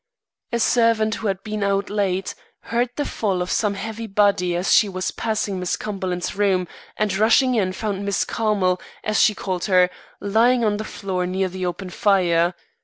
"A servant who had been out late, heard the fall of some heavy body as she was passing Miss Cumberland's rooms, and rushing in found Miss Carmel, as she called her, lying on the floor near the open fire.